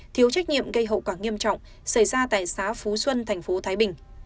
thiếu trách nhiệm gây hậu quả nghiêm trọng xảy ra tại xá phú xuân thành phố thái bình